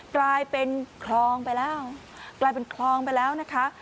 กลายเป็นคลองไปแล้วกลายเป็นคลองไปแล้วนะคะ